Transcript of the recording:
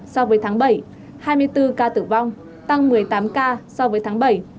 so với tháng bảy hai mươi bốn ca tử vong tăng một mươi tám ca so với tháng bảy